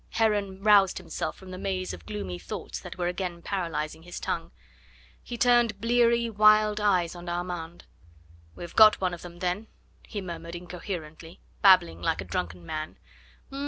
Heron roused himself from the maze of gloomy thoughts that were again paralysing his tongue. He turned bleary, wild eyes on Armand. "We have got one of them, then?" he murmured incoherently, babbling like a drunken man.